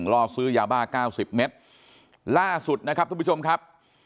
ล่อซื้อยาบ้าเก้าสิบเมตรล่าสุดนะครับทุกผู้ชมครับ